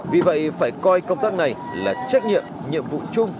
vì vậy phải coi công tác này là trách nhiệm nhiệm vụ chung